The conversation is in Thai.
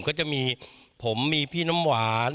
คิดว่ามีรักมาแล้ว